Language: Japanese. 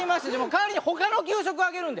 代わりにほかの給食あげるんで。